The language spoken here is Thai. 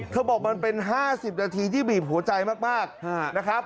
บอกมันเป็น๕๐นาทีที่บีบหัวใจมากนะครับ